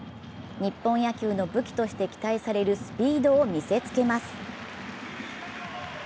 日本野球の武器として期待されるスピードを見せつけます。